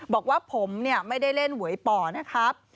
บอกว่าผมเนี่ยไม่ได้เล่นหวยป่อนะครับ